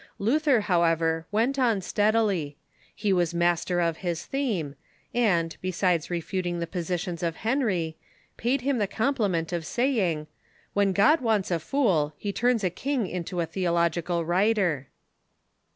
Luther, however, Avent on stead ily. He was master of his theme, and, besides refuting the positions of Henry, 2)aid him the compliment of saying :" When God wants a fool, he turns a king into a theological writer."